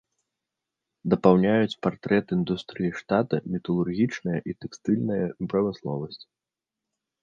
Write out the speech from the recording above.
Дапаўняюць партрэт індустрыі штата металургічная і тэкстыльная прамысловасць.